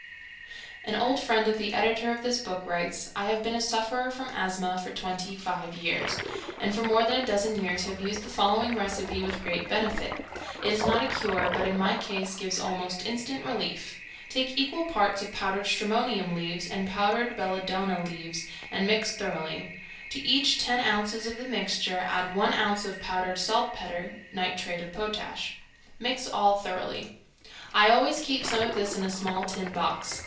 An old friend of the editor of this book writes: "I have been a sufferer from asthma for twenty five years, and for more than a dozen years have used the following recipe with great benefit. It is not a cure, but in my case gives almost instant relief. Take equal parts of powdered stramonium leaves and powdered belladonna leaves and mix thoroughly; to each ten ounces of the mixture add one ounce of powdered saltpeter (nitrate of potash); mix all thoroughly. I always keep some of this in a small tin box.